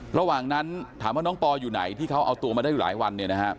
ระหว่างนั้นถามว่าน้องปออยู่ไหนที่เขาเอาตัวมาได้อยู่หลายวันเนี่ยนะฮะ